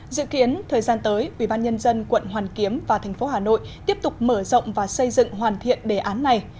dự kiến thời gian tới ubnd quận hoàn kiếm và thành phố hà nội tiếp tục mở rộng và xây dựng hoàn thiện đề án này